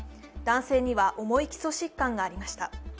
男性には重い基礎疾患がありました。